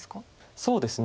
そうですね。